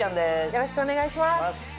よろしくお願いします。